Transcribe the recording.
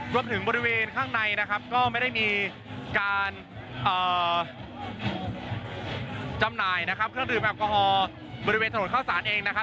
บริเวณข้างในนะครับก็ไม่ได้มีการจำหน่ายนะครับเครื่องดื่มแอลกอฮอล์บริเวณถนนเข้าสารเองนะครับ